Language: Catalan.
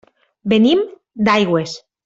Venim d'Aigües.